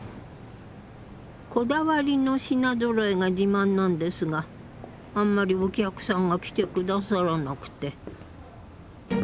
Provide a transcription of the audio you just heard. こだわりの品ぞろえが自慢なんですがあんまりお客さんが来て下さらなくて。